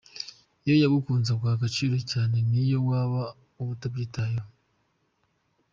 Iyo yagukunze aguha agaciro cyane niyo waba wowe utabyitayeho.